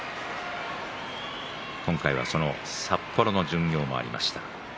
今回は札幌巡業もありました。